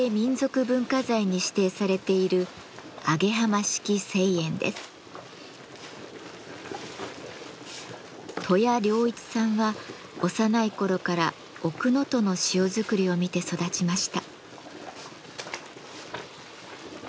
文化財に指定されている登谷良一さんは幼い頃から奥能登の塩作りを見て育ちました。